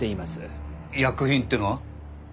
薬品っていうのは？